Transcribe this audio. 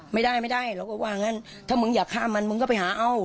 ไม่ได้ไม่ได้เราก็ว่างั้นถ้ามึงอยากฆ่ามันมึงก็ไปหาเอา